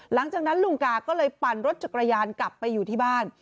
หลังจากนั้นลุงกาก็เลยปั่นรถจักรยานกลับไปอยู่ที่บ้าน